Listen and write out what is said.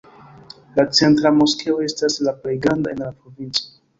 La centra moskeo estas la plej granda en la provinco.